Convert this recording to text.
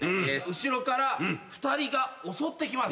後ろから２人が襲ってきます。